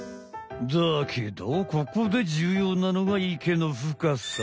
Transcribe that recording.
だけどここでじゅうようなのが池の深さ。